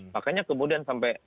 makanya kemudian sampai